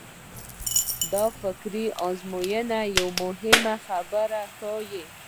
دا فکري ازموینه یوه مهمه خبره ښيي.